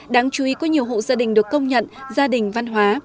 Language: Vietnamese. đáng chú ý có nhiều hộ gia đình được công nhận gia đình văn hóa